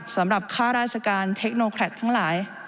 สำหรับค่าราชการเทคโนแครตทั้งหลาย